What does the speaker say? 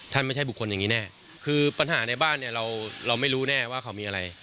ไม่ใช่บุคคลอย่างนี้แน่คือปัญหาในบ้านเนี่ยเราไม่รู้แน่ว่าเขามีอะไร